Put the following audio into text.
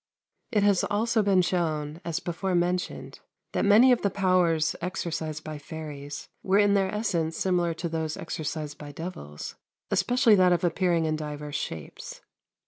It has also been shown, as before mentioned, that many of the powers exercised by fairies were in their essence similar to those exercised by devils, especially that of appearing in divers shapes.